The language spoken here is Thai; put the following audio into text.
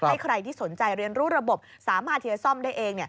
ให้ใครที่สนใจเรียนรู้ระบบสามารถที่จะซ่อมได้เอง